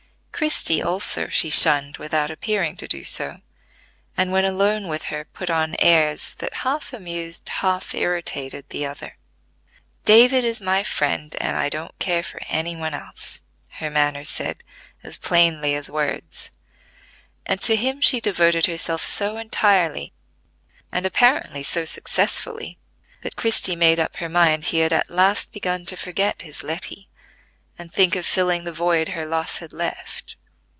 Christie also she shunned without appearing to do so, and when alone with her put on airs that half amused, half irritated the other. "David is my friend, and I don't care for any one else," her manner said as plainly as words; and to him she devoted herself so entirely, and apparently so successfully, that Christie made up her mind he had at last begun to forget his Letty, and think of filling the void her loss had left.